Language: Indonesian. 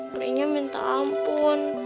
kerennya minta ampun